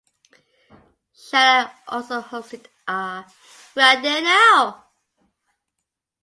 Shannon also hosted a Where are they now?